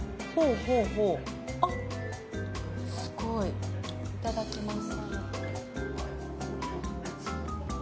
ほうほう、すごい、いただきます。